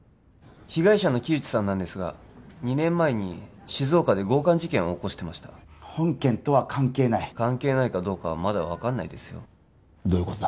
被害者の木内さんなんですが２年前に静岡で強姦事件を起こしてました本件とは関係ないまだ分かんないですよどういうことだ？